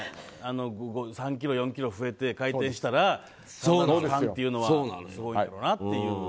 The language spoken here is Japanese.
それが３ｋｇ、４ｋｇ増えて回転したらそうやろうなっていう。